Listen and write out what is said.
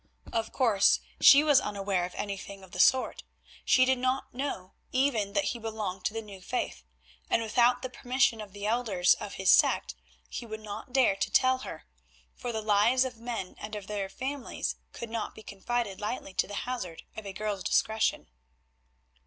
Of course she was unaware of anything of the sort. She did not know even that he belonged to the New Faith, and without the permission of the elders of his sect, he would not dare to tell her, for the lives of men and of their families could not be confided lightly to the hazard of a girl's discretion.